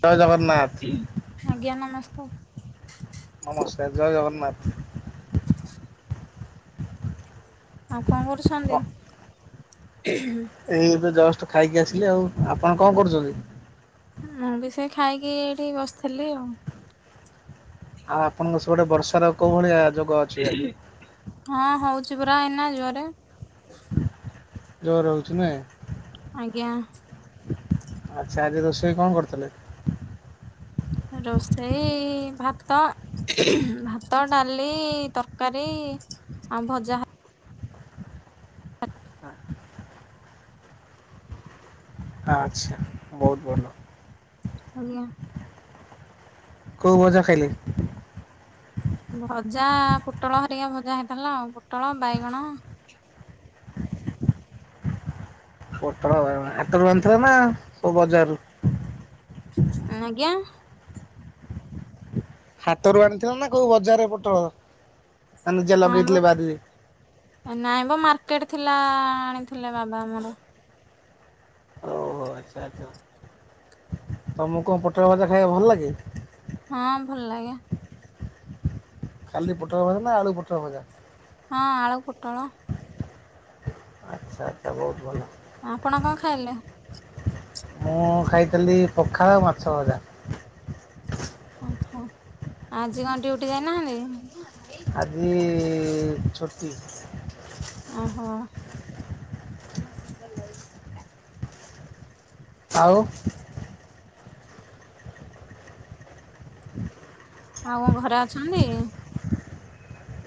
ଜୟ ଜଗନ୍ନାଥ ଆଜ୍ଞା ନମସ୍କାର। ନମସ୍କାର ଜୟ ଜଗନ୍ନାଥ। ଆଉ କଣ କରୁସନ୍ତି। ଏଇ ଏବେ ଜଅଷ୍ଟ ଖାଇକି ଆସିଲି ଆଉ ଆପଣ କଣ କରୁଛନ୍ତି। ମୁଁ ବି ସେଇ ଖାଇକି ଏଇଠି ବସିଥିଲି ଆଉ। ଆଉ ଆପଣଙ୍କ ସବୁଆଡେ ବର୍ଷା ର କୋଉ ଭଳିଆ ଯୋ ହଁ ହଉଛି ପରା ଏଇନା ଜୋରେ। ଜୋର ହଉଛି ନାଇ। ଆଜ୍ଞା। ଆଚ୍ଛା ଆଜି ରୋଷେଇ କଣ କରିଥିଲେ? ରୋଷେଇ ଭାତ ଭାତ ଡାଲି ତରକାରୀ ରି ଆଉ ଭଜା। ଆଚ୍ଛା ବହୁତ ବଢ଼ିବ। ଆଜ୍ଞା। ଖୋଉ ଭଜା ଖାଇଲେ? ଭଜା ପୋଟଳ ହରିକା ଭଜା ହେଇଥିଲା ଆଉ। ପୋଟଳ ବାଇଗଣ। ପୋଟଳ ବାଇଗଣ ହାଟରୁ ଆଣିଥିଲ ନା କୋଉ ବଜାରରୁ? ଆଜ୍ଞା। ହାଟରୁ ଆଣିଥିଲ ନା କୋଉ ବଜାରରେ ପୋଟଳ? ନା ନିଜେ ହଁ ବ ଲଗେଇଥିଲେ ବାରିରେ। ଟିକେଟ ଥିଲା ଆଣିଥିଲେ ବାବା ଆମର। ଓହୋ ଆଚ୍ଛା ଆଚ୍ଛା ତମକୁ କଣ ପୋଟଳ ଭଜା ଖାଇବା ଭଲ ଲାଗେ? ହଁ ଭଲଲାଗେ। କାଲି ପୋଟଳ ଭଜା ନା ଆଳୁ ପୋଟଳ ଭଜା। ହଁ ଆଳୁର ପୁଟଳ। ଆଚ୍ଛା ଆଚ୍ଛା ବହୁତ ଭଲ। ଆପଣ କଣ ଖାଇଲେ? ମୁଁ ଖାଇଥିଲି ପଖାଳ ମାଛ ଭଜା। ଆଚ୍ଛା, ଆଜି କଣ ଡ୍ୟୁଟି ଯାଇନାହାନ୍ତି? ଆଜି ଛୁଟି। ଓହୋ। ଆଉ। ଆଉ କଣ ଘରେ ଅଛନ୍ତି?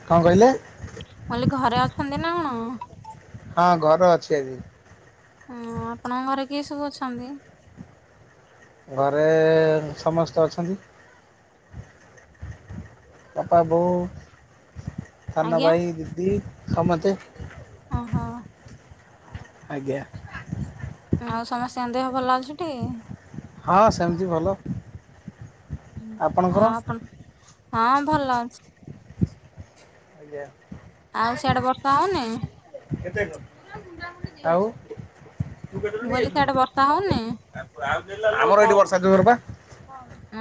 କଣ କହିଲେ। ମୁଁ କହିଲି ଘରେ ଅଛନ୍ତି ନା କଣ? ହଁ ଘର ଅଛି ଆଜି। ହଁ ଆପଣଙ୍କ ଘରେ କିଏ ସବୁ ଅଛନ୍ତି? ଘରେ ସମସ୍ତେ ଅଛନ୍ତି। ବାପା, ବୋଉ, ଆଜ୍ଞା ସାନଭାଇ, ଦିଦି ସମସ୍ତେ। ଓହୋ। ଆଜ୍ଞା। ଆଉ ସମସ୍ତଙ୍କ ଦେହ ଭଲ ଅଛିଟି। ହଁ ସେମିତି ଭଲ। ଆପଣଙ୍କର ଆଉ ଆପଣ, ହଁ ଭଲ ଅଛି। ଆଜ୍ଞା ଆଉ ସିଆଡେ ବର୍ଷା ହଉନି। ଆଉ [unintelligible] ମୁଁ ଆମର କହିଲି ସିଆଡେ ବର୍ଷା ହଉନି? ଏଇଠି ବର୍ଷା ଜୋରପା।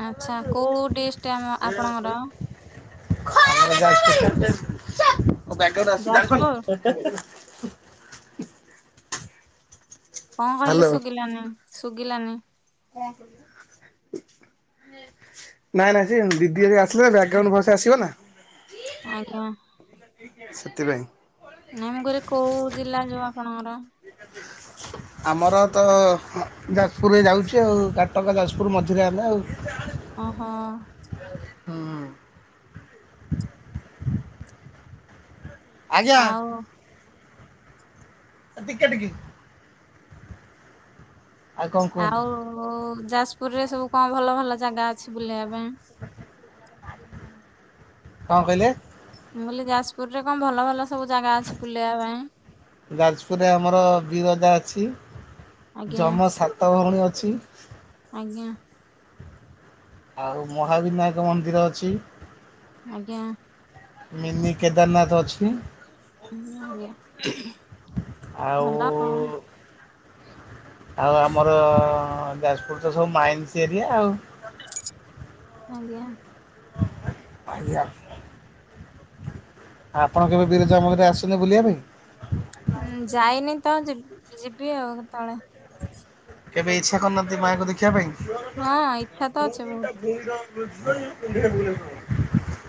ଆଚ୍ଛା କୋଉ ଡିଷ୍ଟ ଆମ ଆପଣଙ୍କର? [unintelligible] ହ ଯାଜପୁର କଣ କହିଲେ, ଶୁଗିଲାନି ଶୁଗିଲାନି। ନାଇଁ ନାଇଁ ସେ ଦିଦି ଘରିକା ଆସିଲେ ବ୍ୟାଗ୍ରାଉଣ୍ଡ ଭଏସ ଆସିବନା? ଆଜ୍ଞା। ସେଥିପାଇଁ। ନାଇଁ ମୁଁ କହିଲି କୋଉ ଜିଲ୍ଲା ଯାଉ ଆପଣଙ୍କର? ଆମର ତ ଯାଜପୁରରେ ଯାଉଚି ଆଉ କଟକ ଯାଜପୁର ମଝିରେ ଆମେ ଆଉ। ଅଁହୋ। ହୁଁ ଆଉ। ତ ଟିକେଟ କି କଣ ଆଉ କୁହନ୍ତୁ ହଉ ଯାଜପୁରରେ ସବୁ କଣ ଭଲ ଭଲ ଜାଗା ଅଛି ବୁଲିବା ପାଇଁ? କଣ କହିଲେ? ମୁଁ କହିଲି ଯାଜପୁରରେ କଣ ଭଲ ଭଲ ସବୁ ଜାଗା ଅଛି ବୁଲେଇବା ପାଇଁ? ଯାଜପୁରରେ ଆମର ବିରଜା ଅଛି ଆଜ୍ଞା ଯମ ସାତ ଭଉଣୀ ଅଛି। ଆଜ୍ଞା। ଆଉ ମହାବିନାୟକ ମନ୍ଦିର ଅଛି। ଆଜ୍ଞା। ମିନି କେଦାରନାଥ ଅଛି। ଉଁ ଆଜ୍ଞା, ଆଉ ଭଲ। ଆଉ ଆମର ଯାଜପୁର ତ ସବୁ ମାଇନ୍ସ ଏରିଆ ଆଉ। ଆଜ୍ଞା। [unintelligible] ଆପଣ କେବେ ବିରଜା ମନ୍ଦିରେ ଆସଚନ୍ତି ବୁଲିବା ପାଇଁ? ଉଁ ଯାଇନି ତ ଯିବି ଯିବି ଆଉ କେତେବେଳେ। କେବେ ଇଚ୍ଛା କରି ନାହାଁନ୍ତି ମାଆଙ୍କୁ ଦେଖିବା ପାଇଁ? ହଁ ଇଚ୍ଛା ତ ଅଛି ବହୁତ।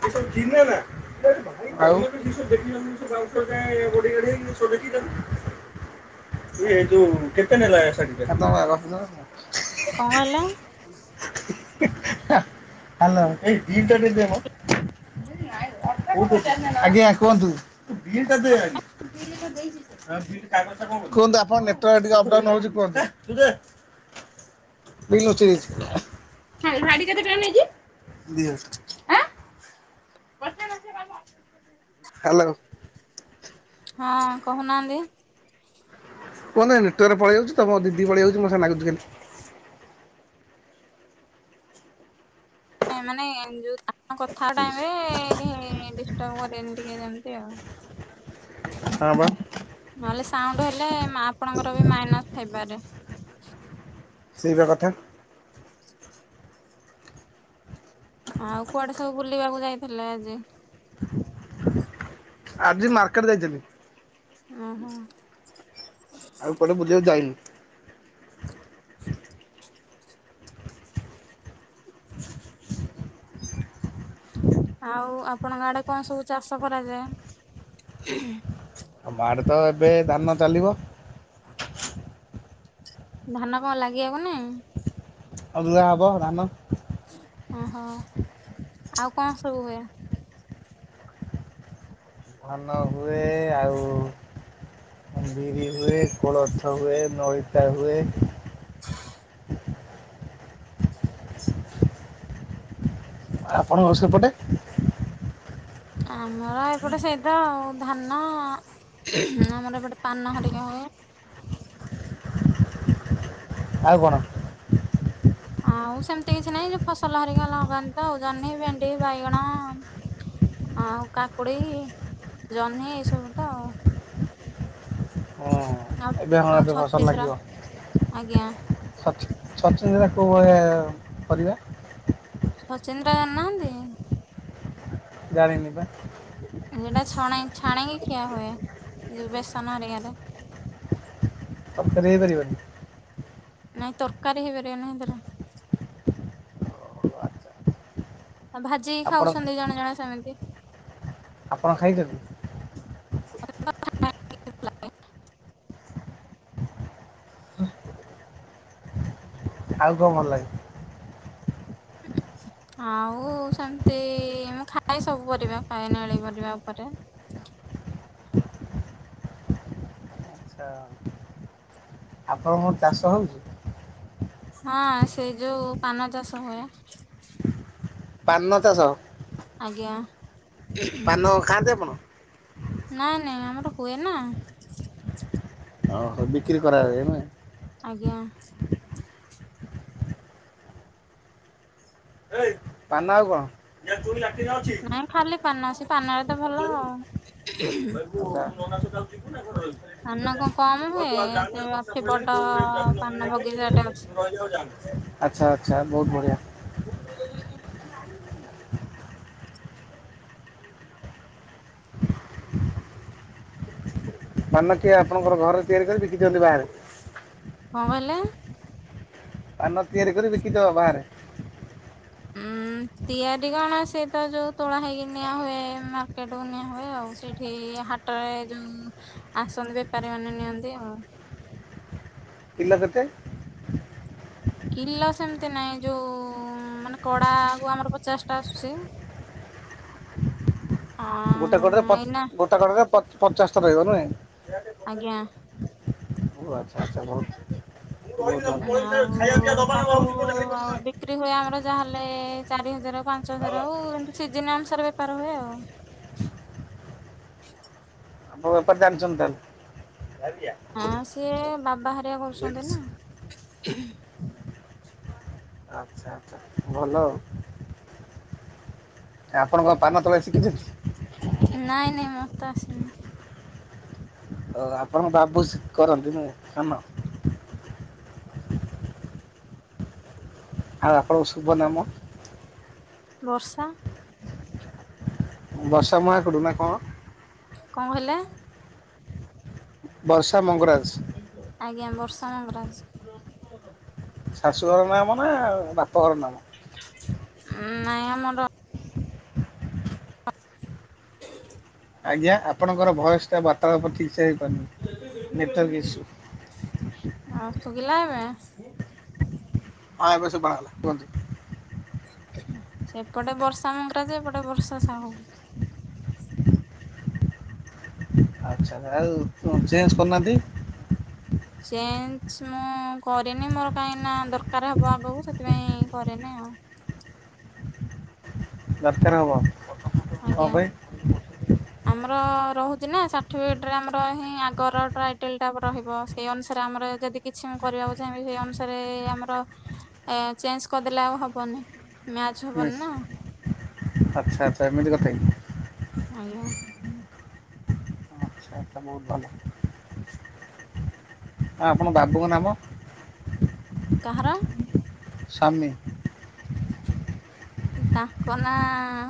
ଏବ ଚିହ ନା ଆଉ ଏ ଯୁ କେତେ ନେ ଲାଗେ ସ ଦେଖ ତ କଣ କହିଲେ ଆ ହ୍ୟାଲୋ। ଆଜ୍ଞା କୁହନ୍ତୁ। କୁହନ୍ତୁ ଆପଣ ନେଟୱାର୍କ୍ ଟିକେ ଅପଡାଉନ୍ ହଉଚି କୁହନ୍ତୁ। ବିଲ୍ ନୁଚେଇ ଦେଇଚି। ହା ଭାଡି କେତେ ଟଙ୍କା ନେଇଚି ଆଁ। ହ୍ୟାଲୋ। ହଁ କହୁନାହାଁନ୍ତି। କୁହନ୍ତୁ ଏ ନେଟୱାର୍ ପଳେଇ ଯାଉଚି ତ। ମୋ ଦିଦି ପଳେଇ ଆଉଚି ମୋ ସାଙ୍ଗରେ ଲାଗୁଚି ଖାଲି। ନାଇଁ ମାନେ ଯୋଉ ଆମ କଥା ଟାଇମ ରେ କେହି ଡିଷ୍ଟ୍ରବ୍ କରିବେନି ଟିକେ ଯେମିତି ଆଉ। ହଁ ବା ନହେଲେ ସାଉଣ୍ଡ ହେଲେ ଉଁ ଆପଣଙ୍କର ବି ମାଇନସ ହେଇପାରେ। ହେବା କଥା। ଆଉ କୁଆଡେ ସବୁ ବୁଲିବାକୁ ଯାଇଥିଲେ ଆଜି? ଆଜି ମାର୍କେଟ ଯାଇଥିଲି। ଉଁହୁଁ। ଆଉ କୁଆଡ଼େ ବୁଲିବାକୁ ଯାଇନି। ଆଉ ଆପଣଙ୍କ ଆଡେ କଣ ସବୁ ଚାଷ କରାଯାଏ? ଆମ ଆଡ଼େ ତ ଏବେ ଧାନ ଚାଲିବ। ଧାନ କଣ ଲାଗିବାକୁ ନାଇଁ? ରୁଆ ହବ ଧାନ। ଓହୋ ଆଉ କଣ ସବୁ ହୁଏ? ଧାନ ହୁଏ। ଆଉ ବିରି ହୁଏ, କୋଳଥ ହୁଏ, ନଳିତା ହୁଏ। ଆପଣଙ୍କ ସେପଟେ? ଆମର ଏପଟେ ସେଇ ତ ଆଉ ଧାନ। ଆମର ଏପଟେ ପାନ ହରିକା ହୁଏ। ଆଉ କନା ଆଉ ସେମିତି କିଛି ନାହିଁ ଫସଲ ହରିକା ଲଗାନ୍ତି ତ ଆଉ ଜହ୍ନି, ଭେଣ୍ଡି, ବାଇଗଣ ଆଉ କାକୁଡି, ଜହ୍ନି, ଏସବୁ ତ ଆଉ। ହଁ ଆଉ ଏବେ ହଁ ଆଉ ଏବେ ଖର୍ସଲ ଛଚିନ୍ଦ୍ରା ଲାଗିବ। ଆଜ୍ଞା ସଚନ୍ଦ୍ରତାକୁ କରିବା ସଚିନ୍ଦ୍ରା ଜାଣି ନାହାନ୍ତି? ଜାଣିନି ପା। ଯେଟା ଛଣ ଛାଣି କିି ଖିଆ ହୁଏ ଯଉ ବେସନ ହେରିକାରେ। ସରେଇ ପାରିବନି? ନାଇଁ ତରକାରୀ ହେଇପାରିବ ନାହିଁ ତର? ଆ ଭାଜିକି ଆପଣ ଖାଉଛନ୍ତି ଜଣେ ଜଣେ ସେମିତି? ଆପଣ ଖାଇଛନ୍ତି? [inaudible] ହୁଁ। ଆଉ କଣ ଭଲ ଲାଗେ? ଆଉ ସେମିତି ମୁଁ ଖାଏ ସବୁ ପରିବା ଖାଏ ନେଳି ପରିବା ଉପରେ। [inaudible] ଆଚ୍ଛା ଆପଣଙ୍କର ଚାଷ ହଉଛି? ହଁ ସେଇ ଯୋଉ ପାନ ଚାଷ ହୁଏ। ପାନ ଚାଷ? ଆଜ୍ଞା। ପାନ ଖାଆନ୍ତି ଆପଣ ନାଇଁ ନାଇଁ ଆମର ହୁଏ ନା। ଓହୋ ବିକ୍ରି କରାଯାଏ ନା? ଆଜ୍ଞା। ପାନ ଆଉ କଣ? ଅଛି ନାଇଁ ଖାଲି ପାନ ସେ ପାନରେ ତ ଭଲ ପଚାରିବୁ କହିବୁ [inaudible] ଆଉ। ପାନ କଣ କମ ହୁଏ [unintelligible] ଆଚ୍ଛା ସେ ଅଛି ବଡ ପାନ ବଗିଚାଟେ ଅଛି। ଆଚ୍ଛା ବହୁତ ବଢିଆ। [inaudible] [inaudible] [inaudible] ସିଏ ଆପଣଙ୍କର ଘରେ ତିଆରି କରି ବିକିଦିଅନ୍ତି ବାହାରେ। କଣ କହିଲେ? ଆ ନ ତିଆରି କରି ବିକିଦବା ବାହାରେ। ସେଇ ତ ଯୋଉ ତୋଳା ହେଇକି ନିଆ ହୁଏ ମାର୍କେଟକୁୁ ନିଆ ହୁଏ ଆଉ ସେଇଠି ହାଟରେ ଯୋଉ ଆସନ୍ତି ବେପାରୀ ମାନେ ନିଅନ୍ତି ଆଉ। କିଲ କେତେ? କିଲ ସେମିତି ନାଇଁ ଯୋଉ ମାନେ କଡା ଆଉ ଆମର ପଚାଶ ଟା ଆସୁଛି। [inaudible] ଗୋଟେ କଡାରେ ଅଁ ଏଇନା ଗୋଟେ କଡାରେ ପଚାଶଟା ରହିବ ନୁହେଁ। ଆଜ୍ଞା। ଓ ଆଚ୍ଛା ଆଚ୍ଛା ଭଲ। ବହୁତ ଆଉ ଖାଇବା ପିଇବା ଦବା ନବା ତାକୁ ହଉଛି କଣ ଜାଣିପାରୁନୁ ଆଉ ନା କଣ? ବିକ୍ରି ହୁଏ ଆମର ଯାହାହେଲେ ଚାରି ହଜାର ପାଞ୍ଚ ସ ହଁ। ଆଉ ଏମତି ସିଜିନ ଅନୁସାରେ ବେପାର ହୁଏ ଆଉ। [inaudible] [inaudible] ଆପଣ ବେପାର ଜାଣିଛନ୍ତି ତାହେଲେ? ହଁ ସିଏ ବାବା ହେରିକା କରୁଛନ୍ତି ଲେଡିସ୍। ନା? ଆଚ୍ଛା ଆଚ୍ଛା ଭଲ ଆଉ। ଆପଣ କଣ ପାନ ତୁଳା ଶିଖିଛନ୍ତି? ନାଇଁ ନାଇଁ ମତେ ଆସୁନି। ଓ ଆପଣଙ୍କ ବାବୁଜ କରନ୍ତି ନାଇ କାମ। ଆଉ ଆପଣଙ୍କ ଶୁଭ କାମ। ବର୍ଷା। ବର୍ଷା ମହାକୁଡୁ ନା କଣ? କଣ କହିଲେ? ବର୍ଷା ମଙ୍ଗରାଜ। ଆଜ୍ଞା ବର୍ଷା ମଙ୍ଗରାଜ। ଶାଶୁ ଘର ନାମ ନା ବାପାଘର ନାମ? ଉ ନାଇଁ ଆମର ଆଜ୍ଞା ଆପଣଙ୍କର ଭଏସ ଟା ବାର୍ତ୍ତାଳାପ ଠିକସେ ହେଇପାରୁନି ନେଟୱାର୍କ ଇସ୍ୟୁ ଆଉ ଶୁଭିଲା ଏବେ? ଆ ହଁ ଏବେ ଶୁଭା ଗଲା କୁହନ୍ତୁ। ସେପଟେ ବର୍ଷା ମଙ୍ଗରାଜେ ଏପଟେ ବର୍ଷା ସାହୁ। ଆ୍ ଆଉ ଚେଞ୍ଜ କରନାହାନ୍ତି ଚେଞ୍ଜ ମୁଁ କରେନି ମୋର କାହିଁକି ନା ଦରକାର ହବ ଆଗକୁ ସେଥିପାଇଁ କରେନି ଆଉ। ହ ଦରକାର ହବ। ଆଜ୍ଞା, ଆମର-ଅ-ଅ ରହୁ ନା ସାର୍ଟିଫିକେଟରେ ଆମର ହିଁ ଆଗର ଟ୍ରାଇଟଲେ ଟା ରହିବ ସେଇ ଅନୁସାରେ ଆମର ଯଦି କିଛି ମୁ କରି ଯାଉଛେ ସେଇ ଅନୁସାରେ ଆମର ଚେଞ୍ଜ ଅ କରିଦେଲେ ଆଉ ହବନି। ମ୍ୟାଚ ହବନି ମିସ ନା ଆଚ୍ଛା ଆଚ୍ଛା ଏମିତି କଥା କି। ଆଜ୍ଞା, [unintelligible] ବହୁତ ଭଲ। ଆପଣ ବାବୁଙ୍କ ନାମ? କାହାର? ସାମି, ତାଙ୍କ ନାଁ-ଆ-ଆ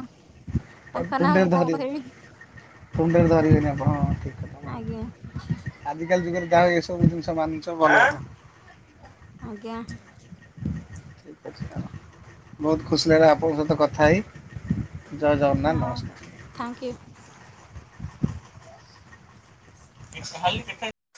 ତାଙ୍କ ନା ମୁଁ କଣ କହିବି। ତୁଣ୍ଡ ରେ ଧରିବେନି ଆପଣ। କଥା ଆଜ୍ଞା। ଯା ହୋଉ ଏସବୁ ଜିନିଷ ମାନୁଛ ଭଲ। ଆଜ୍ଞା। ବହୁତ ଖୁସି ଲାଗିଲା ଆପଣଙ୍କ ସହିତ କଥା ହେଇ। ଜୟ ଜଗନ୍ନାଥ ହଉ ନମସ୍କାର। Thank you. [inaudible]